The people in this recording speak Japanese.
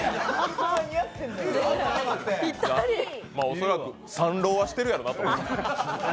恐らく三浪はしてるやろうなと。